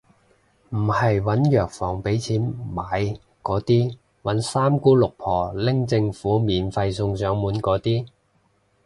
唔係搵藥房畀錢買嗰啲，搵三姑六婆拎政府免費送上門嗰啲